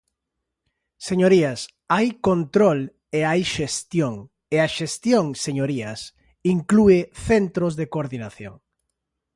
Señorías, hai control e hai xestión, e a xestión, señorías, inclúe centros de coordinación.